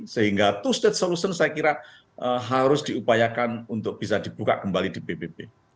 sehingga two state solution saya kira harus diupayakan untuk bisa dibuka kembali di pbb